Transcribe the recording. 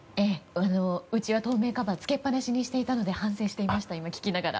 うちは透明カバー付けっぱなしにしていたので反省しました。